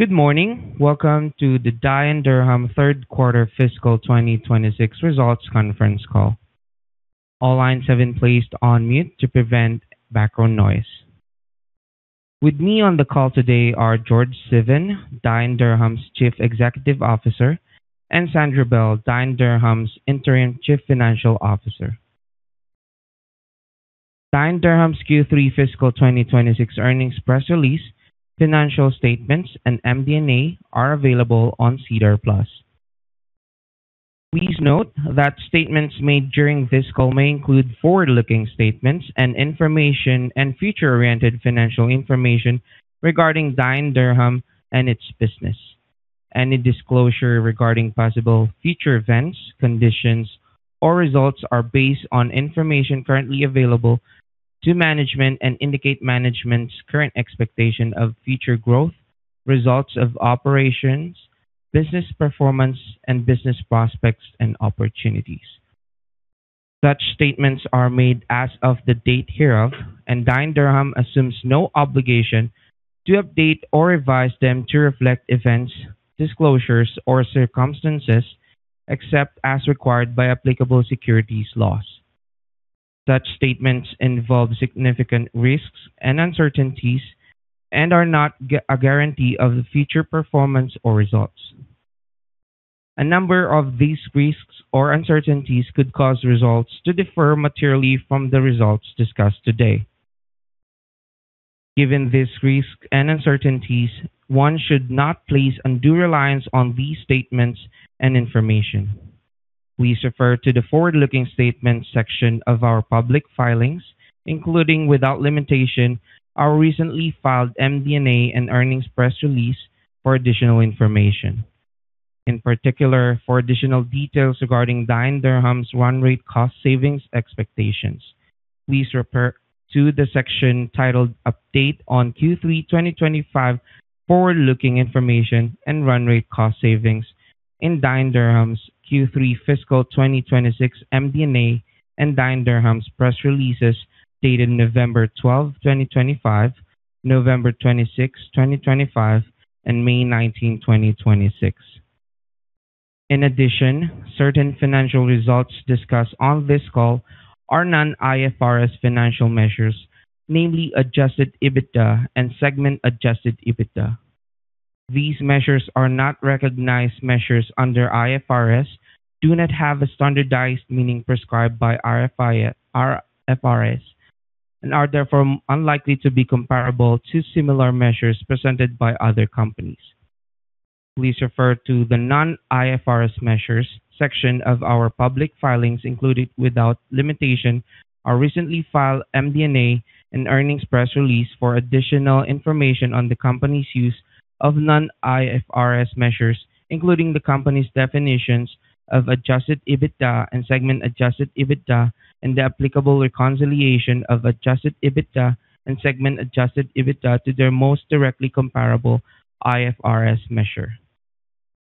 Good morning. Welcome to the Dye & Durham Third Quarter Fiscal 2026 Results Conference Call. All lines have been placed on mute to prevent background noise. With me on the call today are George Tsivin, Dye & Durham's Chief Executive Officer, and Sandra Bell, Dye & Durham's Interim Chief Financial Officer. Dye & Durham's Q3 fiscal 2026 earnings press release, financial statements, and MD&A are available on SEDAR+. Please note that statements made during this call may include forward-looking statements and information and future-oriented financial information regarding Dye & Durham and its business. Any disclosure regarding possible future events, conditions, or results are based on information currently available to management and indicate management's current expectation of future growth, results of operations, business performance, and business prospects and opportunities. Such statements are made as of the date hereof, and Dye & Durham assumes no obligation to update or revise them to reflect events, disclosures, or circumstances except as required by applicable securities laws. Such statements involve significant risks and uncertainties and are not a guarantee of future performance or results. A number of these risks or uncertainties could cause results to differ materially from the results discussed today. Given these risks and uncertainties, one should not place undue reliance on these statements and information. Please refer to the forward-looking statements section of our public filings, including, without limitation, our recently filed MD&A and earnings press release for additional information. In particular, for additional details regarding Dye & Durham's run rate cost savings expectations, please refer to the section titled "Update on Q3 2025 Forward-Looking Information and Run Rate Cost Savings" in Dye & Durham's Q3 fiscal 2026 MD&A and Dye & Durham's press releases dated November 12, 2025, November 26, 2025, and May 19, 2026. In addition, certain financial results discussed on this call are non-IFRS financial measures, namely adjusted EBITDA and segment adjusted EBITDA. These measures are not recognized measures under IFRS, do not have a standardized meaning prescribed by IFRS, and are therefore unlikely to be comparable to similar measures presented by other companies. Please refer to the non-IFRS measures section of our public filings, including, without limitation, our recently filed MD&A and earnings press release for additional information on the company's use of non-IFRS measures, including the company's definitions of adjusted EBITDA and segment adjusted EBITDA and the applicable reconciliation of adjusted EBITDA and segment adjusted EBITDA to their most directly comparable IFRS measure.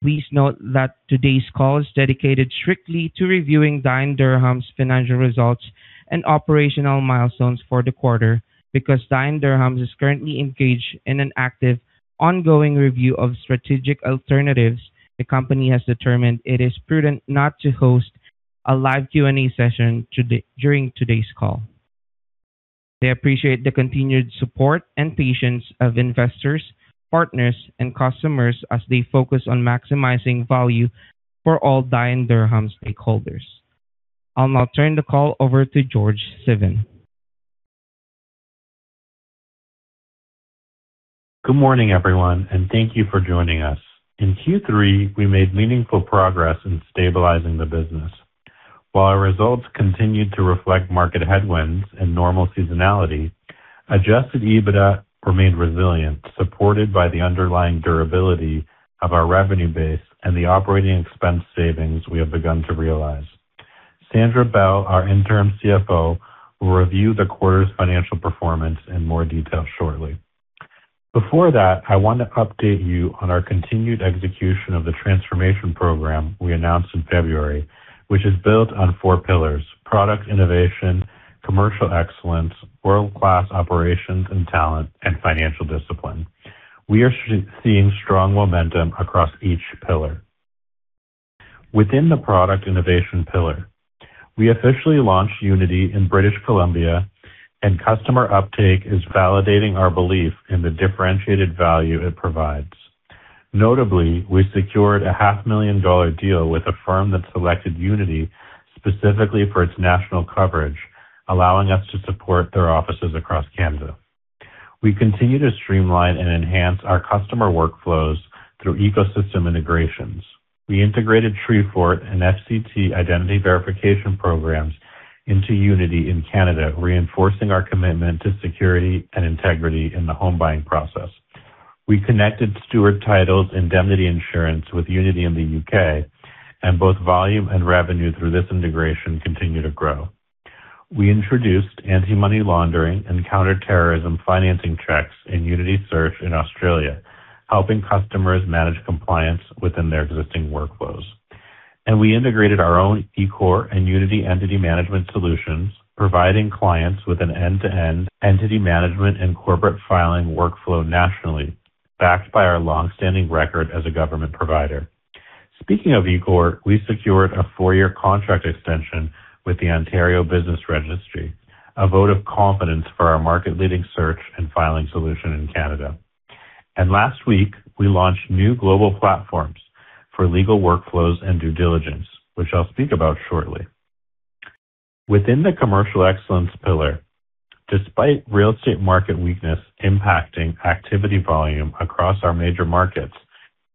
Please note that today's call is dedicated strictly to reviewing Dye & Durham's financial results and operational milestones for the quarter. Because Dye & Durham's is currently engaged in an active, ongoing review of strategic alternatives, the company has determined it is prudent not to host a live Q&A session during today's call. They appreciate the continued support and patience of investors, partners, and customers as they focus on maximizing value for all Dye & Durham stakeholders. I'll now turn the call over to George Tsivin. Good morning, everyone, and thank you for joining us. In Q3, we made meaningful progress in stabilizing the business. While our results continued to reflect market headwinds and normal seasonality, adjusted EBITDA remained resilient, supported by the underlying durability of our revenue base and the operating expense savings we have begun to realize. Sandra Bell, our Interim CFO, will review the quarter's financial performance in more detail shortly. Before that, I want to update you on our continued execution of the Transformation Program we announced in February, which is built on four pillars: product innovation, commercial excellence, world-class operations and talent, and financial discipline. We are seeing strong momentum across each pillar. Within the product innovation pillar, we officially launched Unity in British Columbia and customer uptake is validating our belief in the differentiated value it provides. Notably, we secured a 0.5 million dollar deal with a firm that selected Unity specifically for its national coverage, allowing us to support their offices across Canada. We continue to streamline and enhance our customer workflows through ecosystem integrations. We integrated Treefort and FCT identity verification programs into Unity in Canada, reinforcing our commitment to security and integrity in the home buying process. We connected Stewart Title's indemnity insurance with Unity in the U.K., and both volume and revenue through this integration continue to grow. We introduced anti-money laundering and counter-terrorism financing checks in Unity Search in Australia, helping customers manage compliance within their existing workflows. We integrated our own eCore and Unity Entity Management solutions, providing clients with an end-to-end entity management and corporate filing workflow nationally, backed by our long-standing record as a government provider. Speaking of eCore, we secured a four-year contract extension with the Ontario Business Registry, a vote of confidence for our market-leading search and filing solution in Canada. Last week, we launched new global platforms for legal workflows and due diligence, which I'll speak about shortly. Within the commercial excellence pillar, despite real estate market weakness impacting activity volume across our major markets,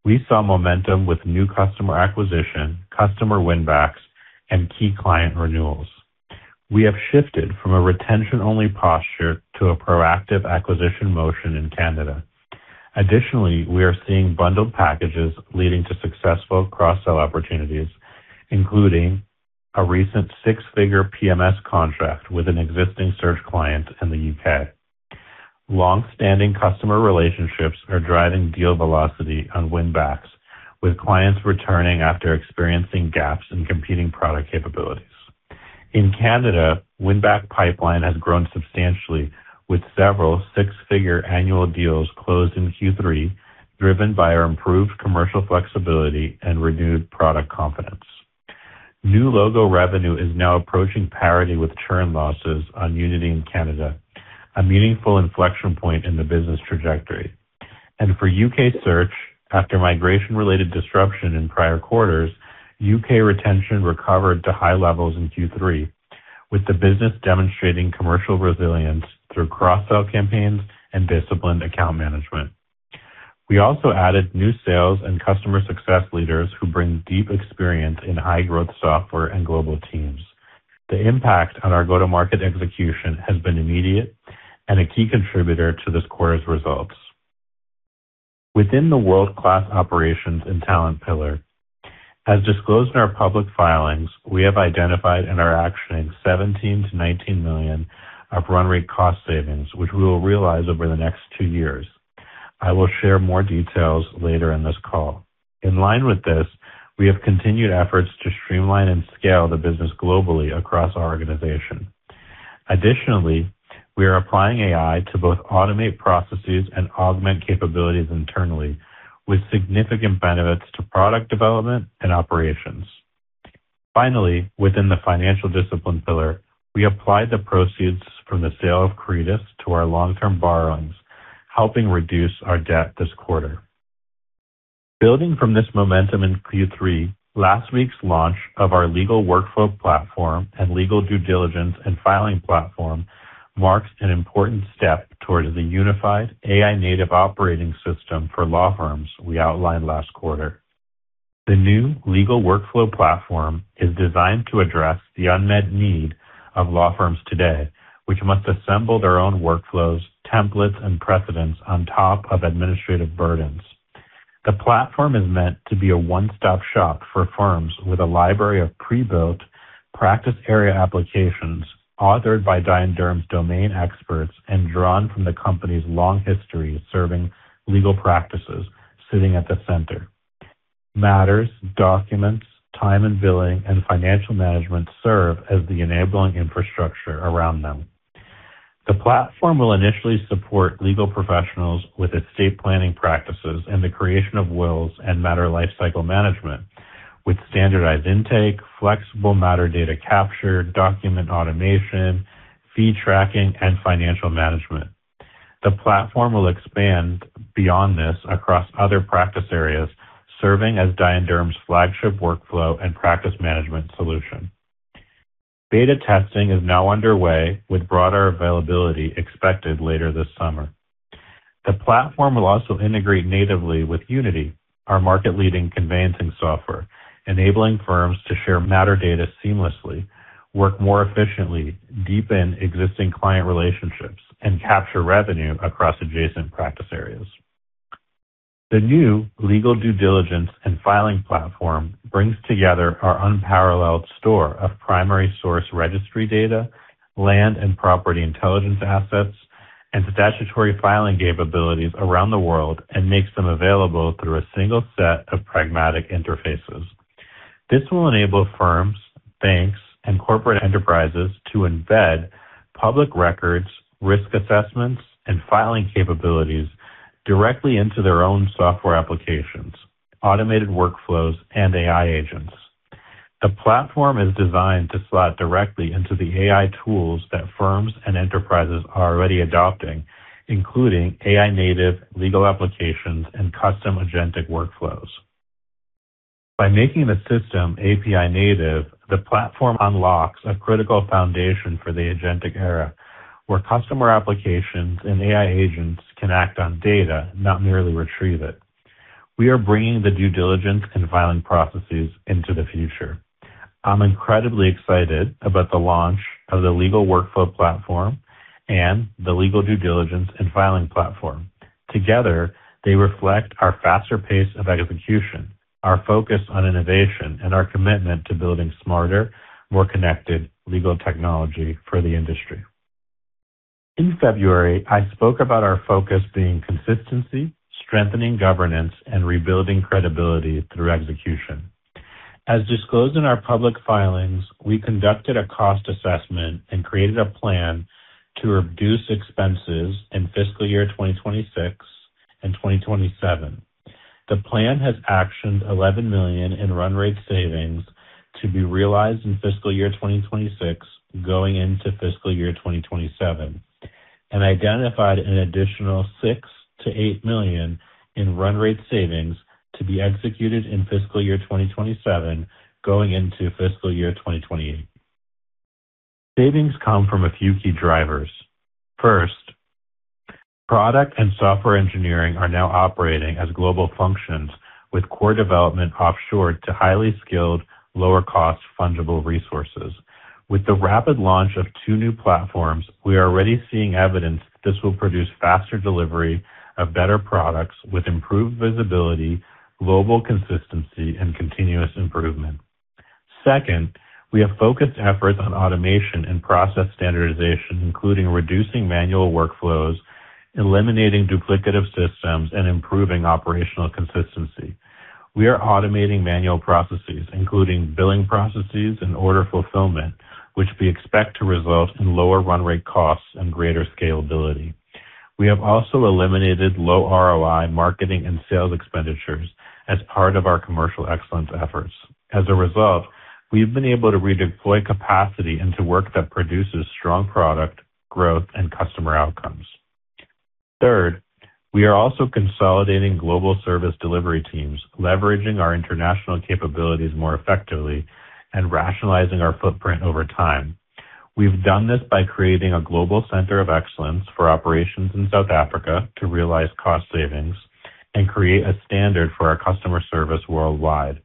we saw momentum with new customer acquisition, customer win-backs, and key client renewals. We have shifted from a retention-only posture to a proactive acquisition motion in Canada. Additionally, we are seeing bundled packages leading to successful cross-sell opportunities, including a recent 6-figure PMS contract with an existing search client in the U.K. Long-standing customer relationships are driving deal velocity on win-backs, with clients returning after experiencing gaps in competing product capabilities. In Canada, win-back pipeline has grown substantially, with several six-figure annual deals closed in Q3, driven by our improved commercial flexibility and renewed product confidence. New logo revenue is now approaching parity with churn losses on Unity in Canada, a meaningful inflection point in the business trajectory. For U.K. search, after migration-related disruption in prior quarters, U.K. retention recovered to high levels in Q3, with the business demonstrating commercial resilience through cross-sell campaigns and disciplined account management. We also added new sales and customer success leaders who bring deep experience in high-growth software and global teams. The impact on our go-to-market execution has been immediate and a key contributor to this quarter's results. Within the world-class operations and talent pillar, as disclosed in our public filings, we have identified and are actioning 17 million-19 million of run rate cost savings, which we will realize over the next two years. I will share more details later in this call. In line with this, we have continued efforts to streamline and scale the business globally across our organization. Additionally, we are applying AI to both automate processes and augment capabilities internally, with significant benefits to product development and operations. Finally, within the financial discipline pillar, we applied the proceeds from the sale of Credas to our long-term borrowings, helping reduce our debt this quarter. Building from this momentum in Q3, last week's launch of our legal workflow platform and legal due diligence and filing platform marks an important step towards the unified AI-native operating system for law firms we outlined last quarter. The new legal workflow platform is designed to address the unmet need of law firms today, which must assemble their own workflows, templates, and precedents on top of administrative burdens. The platform is meant to be a one-stop shop for firms with a library of pre-built practice area applications authored by Dye & Durham's domain experts and drawn from the company's long history of serving legal practices sitting at the center. Matters, documents, time and billing, and financial management serve as the enabling infrastructure around them. The platform will initially support legal professionals with estate planning practices and the creation of wills and matter lifecycle management with standardized intake, flexible matter data capture, document automation, fee tracking, and financial management. The platform will expand beyond this across other practice areas, serving as Dye & Durham's flagship workflow and practice management solution. Beta testing is now underway, with broader availability expected later this summer. The platform will also integrate natively with Unity, our market-leading conveyancing software, enabling firms to share matter data seamlessly, work more efficiently, deepen existing client relationships, and capture revenue across adjacent practice areas. The new legal due diligence and filing platform brings together our unparalleled store of primary source registry data, land and property intelligence assets, and statutory filing capabilities around the world and makes them available through a single set of pragmatic interfaces. This will enable firms, banks, and corporate enterprises to embed public records, risk assessments, and filing capabilities directly into their own software applications, automated workflows, and AI agents. The platform is designed to slot directly into the AI tools that firms and enterprises are already adopting, including AI-native legal applications and custom agentic workflows. By making the system API-native, the platform unlocks a critical foundation for the agentic era, where customer applications and AI agents can act on data, not merely retrieve it. We are bringing the due diligence and filing processes into the future. I'm incredibly excited about the launch of the legal workflow platform and the legal due diligence and filing platform. Together, they reflect our faster pace of execution, our focus on innovation, and our commitment to building smarter, more connected legal technology for the industry. In February, I spoke about our focus being consistency, strengthening governance, and rebuilding credibility through execution. As disclosed in our public filings, we conducted a cost assessment and created a plan to reduce expenses in fiscal year 2026 and 2027. The plan has actioned 11 million in run rate savings to be realized in fiscal year 2026, going into fiscal year 2027, and identified an additional 6 million-8 million in run rate savings to be executed in fiscal year 2027, going into fiscal year 2028. Savings come from a few key drivers. First, product and software engineering are now operating as global functions with core development offshored to highly skilled, lower cost, fungible resources. With the rapid launch of two new platforms, we are already seeing evidence this will produce faster delivery of better products with improved visibility, global consistency, and continuous improvement. Second, we have focused efforts on automation and process standardization, including reducing manual workflows, eliminating duplicative systems, and improving operational consistency. We are automating manual processes, including billing processes and order fulfillment, which we expect to result in lower run rate costs and greater scalability. We have also eliminated low ROI marketing and sales expenditures as part of our commercial excellence efforts. As a result, we've been able to redeploy capacity into work that produces strong product growth and customer outcomes. Third, we are also consolidating global service delivery teams, leveraging our international capabilities more effectively and rationalizing our footprint over time. We've done this by creating a global center of excellence for operations in South Africa to realize cost savings and create a standard for our customer service worldwide.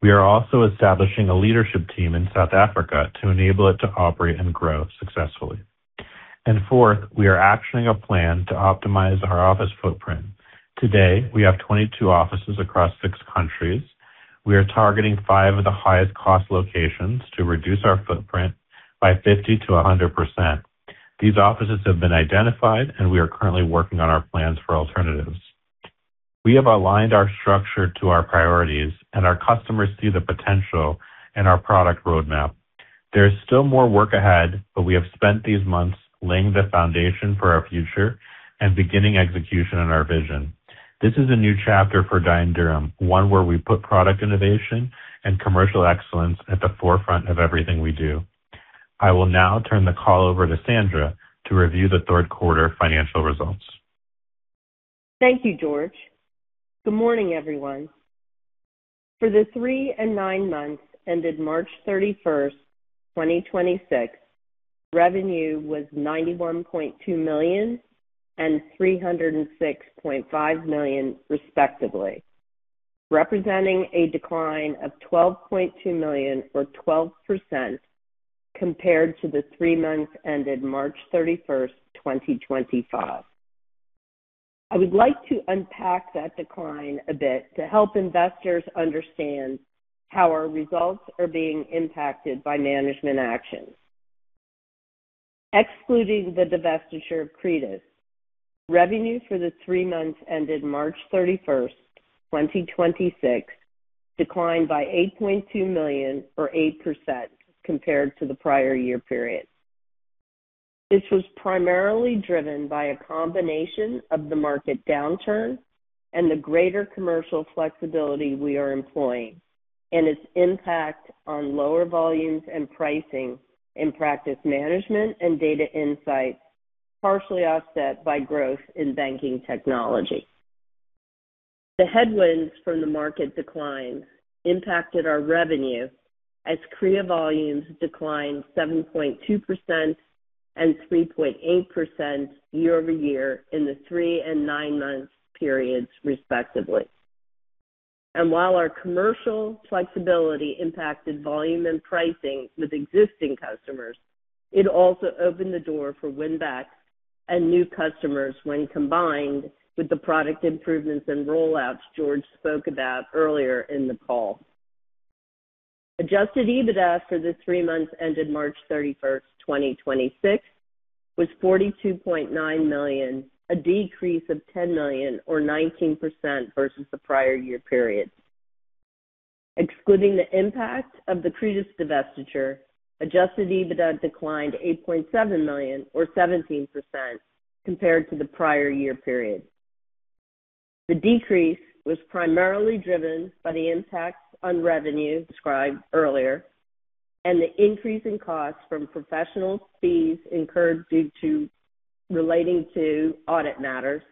We are also establishing a leadership team in South Africa to enable it to operate and grow successfully. Fourth, we are actioning a plan to optimize our office footprint. Today, we have 22 offices across six countries. We are targeting five of the highest cost locations to reduce our footprint by 50%-100%. These offices have been identified, and we are currently working on our plans for alternatives. We have aligned our structure to our priorities, and our customers see the potential in our product roadmap. There is still more work ahead, but we have spent these months laying the foundation for our future and beginning execution on our vision. This is a new chapter for Dye & Durham, one where we put product innovation and commercial excellence at the forefront of everything we do. I will now turn the call over to Sandra to review the third quarter financial results. Thank you, George. Good morning, everyone. For the three and nine months ended March 31, 2026, revenue was 91.2 million and 306.5 million, respectively, representing a decline of 12.2 million or 12% compared to the three months ended March 31, 2025. I would like to unpack that decline a bit to help investors understand how our results are being impacted by management actions. Excluding the divestiture of Credas, revenue for the three months ended March 31, 2026, declined by 8.2 million or 8% compared to the prior year period. This was primarily driven by a combination of the market downturn and the greater commercial flexibility we are employing and its impact on lower volumes and pricing in practice management and data insights partially offset by growth in banking technology. The headwinds from the market decline impacted our revenue as Credas volumes declined 7.2% and 3.8% year-over-year in the three and nine months periods, respectively. While our commercial flexibility impacted volume and pricing with existing customers, it also opened the door for win-backs and new customers when combined with the product improvements and rollouts George spoke about earlier in the call. Adjusted EBITDA for the three months ended March 31, 2026 was 42.9 million, a decrease of 10 million or 19% versus the prior year period. Excluding the impact of the Credas divestiture, adjusted EBITDA declined 8.7 million or 17% compared to the prior year period. The decrease was primarily driven by the impacts on revenue described earlier and the increase in costs from professional fees incurred relating to audit matters,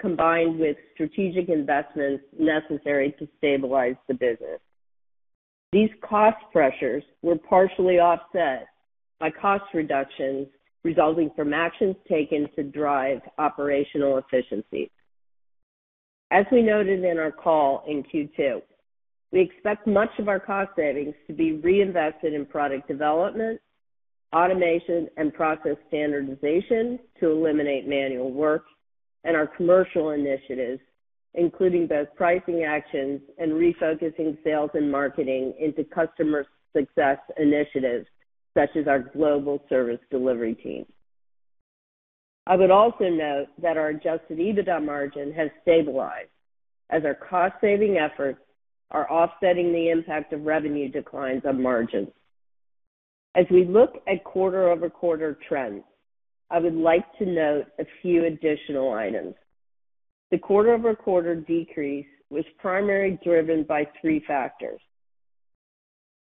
combined with strategic investments necessary to stabilize the business. These cost pressures were partially offset by cost reductions resulting from actions taken to drive operational efficiency. As we noted in our call in Q2, we expect much of our cost savings to be reinvested in product development, automation, and process standardization to eliminate manual work. Our commercial initiatives, including both pricing actions and refocusing sales and marketing into customer success initiatives, such as our global service delivery team. I would also note that our adjusted EBITDA margin has stabilized as our cost saving efforts are offsetting the impact of revenue declines on margins. As we look at quarter-over-quarter trends, I would like to note a few additional items. The quarter-over-quarter decrease was primarily driven by three factors.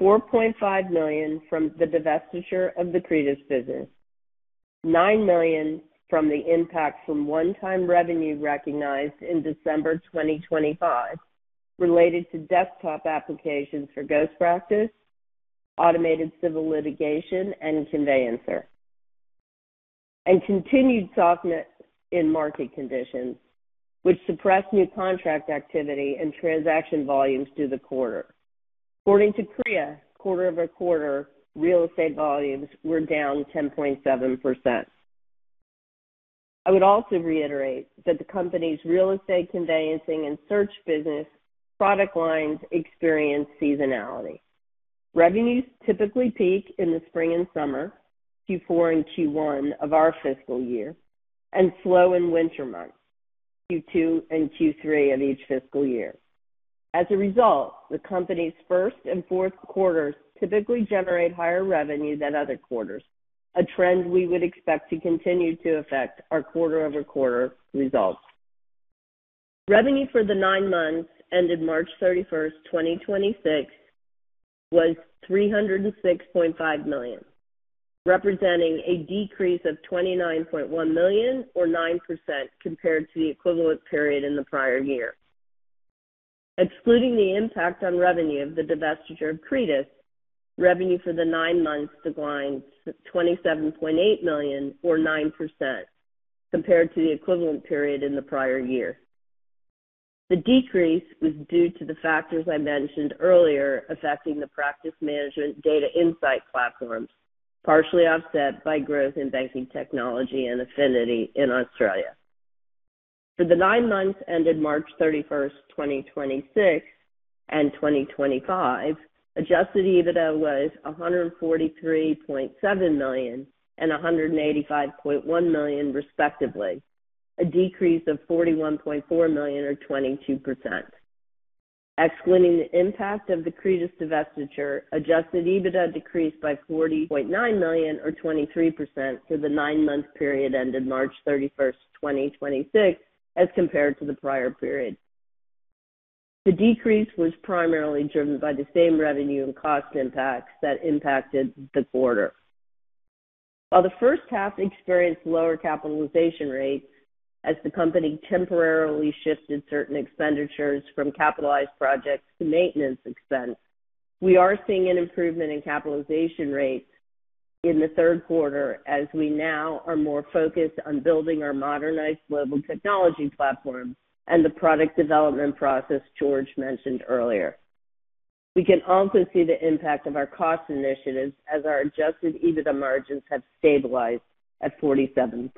4.5 million from the divestiture of the Credas business. 9 million from the impact from one-time revenue recognized in December 2025 related to desktop applications for GhostPractice, Automated Civil Litigation, and Conveyancer. Continued softness in market conditions, which suppressed new contract activity and transaction volumes through the quarter. According to CREA, quarter-over-quarter, real estate volumes were down 10.7%. I would also reiterate that the company's real estate conveyancing and search business product lines experience seasonality. Revenues typically peak in the spring and summer, Q4 and Q1 of our fiscal year, and slow in winter months, Q2 and Q3 of each fiscal year. As a result, the company's first and fourth quarters typically generate higher revenue than other quarters, a trend we would expect to continue to affect our quarter-over-quarter results. Revenue for the nine months ended March 31st, 2026, was 306.5 million, representing a decrease of 29.1 million or 9% compared to the equivalent period in the prior year. Excluding the impact on revenue of the divestiture of Credas, revenue for the nine months declined 27.8 million or 9% compared to the equivalent period in the prior year. The decrease was due to the factors I mentioned earlier affecting the practice management data insight platforms, partially offset by growth in banking, technology, and Affinity in Australia. For the nine months ended March 31st, 2026 and 2025, adjusted EBITDA was 143.7 million and 185.1 million, respectively, a decrease of 41.4 million or 22%. Excluding the impact of the Credas divestiture, adjusted EBITDA decreased by 40.9 million or 23% for the nine-month period ended March 31st, 2026 as compared to the prior period. The decrease was primarily driven by the same revenue and cost impacts that impacted the quarter. While the first half experienced lower capitalization rates as the company temporarily shifted certain expenditures from capitalized projects to maintenance expense, we are seeing an improvement in capitalization rates in the third quarter as we now are more focused on building our modernized global technology platform and the product development process George mentioned earlier. We can also see the impact of our cost initiatives as our adjusted EBITDA margins have stabilized at 47%.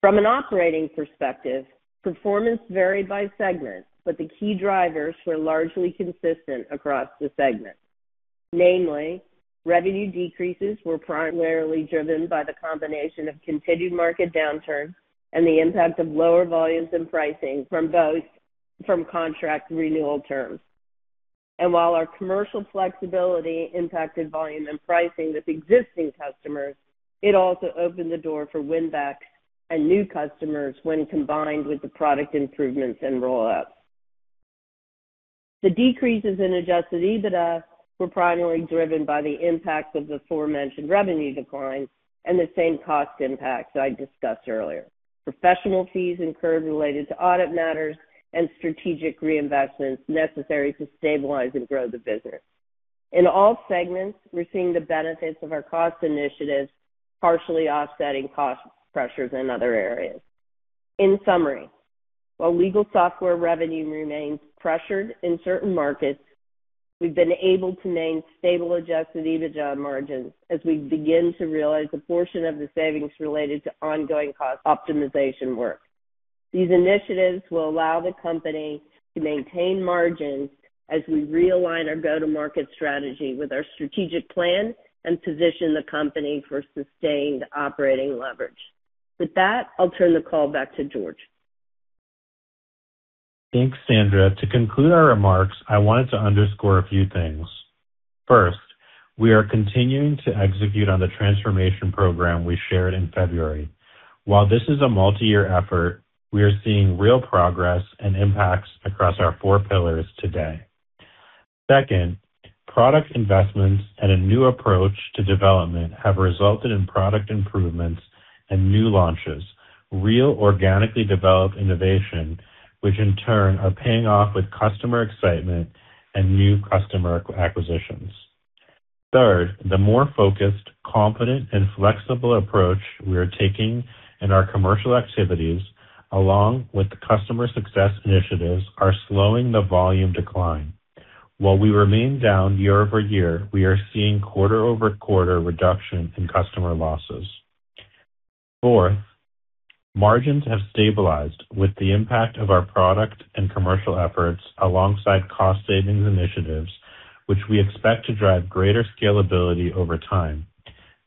From an operating perspective, performance varied by segment, but the key drivers were largely consistent across the segment. Namely, revenue decreases were primarily driven by the combination of continued market downturns and the impact of lower volumes and pricing from both contract renewal terms. While our commercial flexibility impacted volume and pricing with existing customers, it also opened the door for win-backs and new customers when combined with the product improvements and roll-ups. The decreases in adjusted EBITDA were primarily driven by the impact of the aforementioned revenue declines and the same cost impacts that I discussed earlier, professional fees incurred related to audit matters and strategic reinvestments necessary to stabilize and grow the business. In all segments, we're seeing the benefits of our cost initiatives partially offsetting cost pressures in other areas. In summary, while legal software revenue remains pressured in certain markets, we've been able to maintain stable adjusted EBITDA margins as we begin to realize a portion of the savings related to ongoing cost optimization work. These initiatives will allow the company to maintain margins as we realign our go-to-market strategy with our strategic plan and position the company for sustained operating leverage. With that, I'll turn the call back to George. Thanks, Sandra. To conclude our remarks, I wanted to underscore a few things. First, we are continuing to execute on the transformation program we shared in February. While this is a multi-year effort, we are seeing real progress and impacts across our four pillars today. Second, product investments and a new approach to development have resulted in product improvements and new launches. Real organically developed innovation, which in turn are paying off with customer excitement and new customer acquisitions. Third, the more focused, confident, and flexible approach we are taking in our commercial activities, along with the customer success initiatives, are slowing the volume decline. While we remain down year-over-year, we are seeing quarter-over-quarter reduction in customer losses. Fourth, margins have stabilized with the impact of our product and commercial efforts, alongside cost savings initiatives, which we expect to drive greater scalability over time.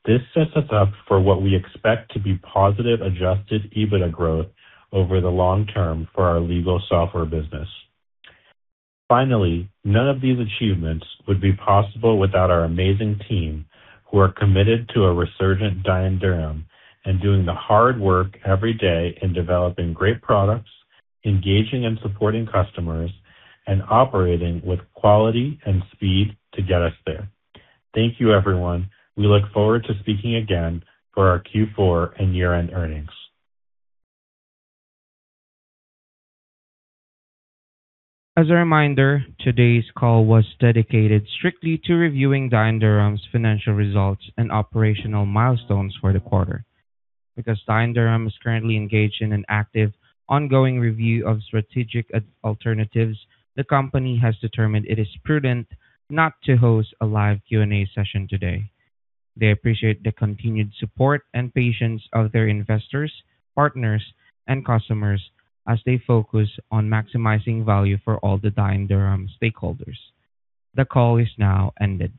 This sets us up for what we expect to be positive adjusted EBITDA growth over the long term for our legal software business. Finally, none of these achievements would be possible without our amazing team who are committed to a resurgent Dye & Durham and doing the hard work every day in developing great products, engaging and supporting customers, and operating with quality and speed to get us there. Thank you, everyone. We look forward to speaking again for our Q4 and year-end earnings. As a reminder, today's call was dedicated strictly to reviewing Dye & Durham's financial results and operational milestones for the quarter. Because Dye & Durham is currently engaged in an active, ongoing review of strategic alternatives, the company has determined it is prudent not to host a live Q&A session today. They appreciate the continued support and patience of their investors, partners, and customers as they focus on maximizing value for all the Dye & Durham stakeholders. The call is now ended.